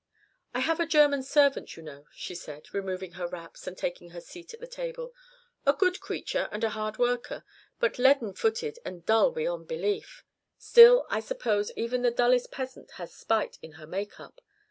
"I have a German servant, you know," she said, removing her wraps and taking her seat at the table. "A good creature and a hard worker, but leaden footed and dull beyond belief. Still, I suppose even the dullest peasant has spite in her make up.